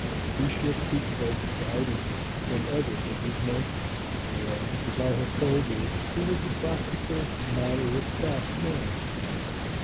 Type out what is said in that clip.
He shook his head doubtingly, whenever it was mentioned, for, as I have told you, he was a practical, matter of fact man.